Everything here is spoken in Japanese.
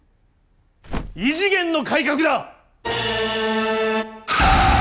異次元の改革だ！